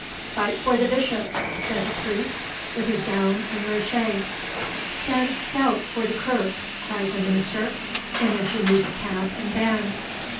Fight for the bishops, says a priest, with his gown and rochet Stand stout for the Kirk, cries a minister, in a Geneva cap and band.